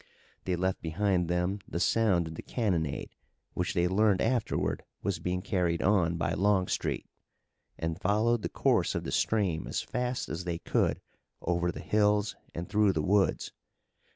They left behind them the sound of the cannonade which they learned afterward was being carried on by Longstreet, and followed the course of the stream as fast as they could over the hills and through the woods.